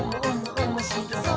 おもしろそう！」